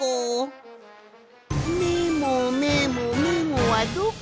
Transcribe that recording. メモメモメモはどこじゃ。